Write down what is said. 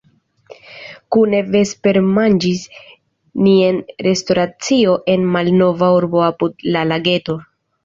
Kune vespermanĝis ni en restoracio en malnova urbo apud la lageto.